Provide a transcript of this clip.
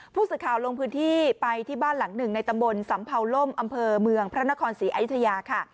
ผู้สื่อข่าวลงพื้นที่ไปที่บ้านหลังหนึ่งในตำบลสำเภาล่มอำเภอเมืองพระนครศรีอยุธยาค่ะ